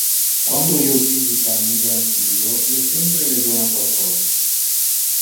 Quando io visita mi granfilio, io sempre le dona qualcosa.